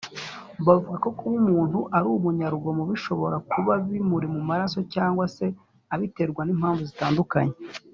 bavuga ko kuba umuntu ari umunyarugomo bishobora kuba bimuri mu maraso cyangwa se abiterwa n’impamvu zitandukanye.